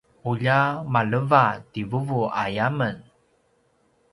ulja maleva ti vuvu aya men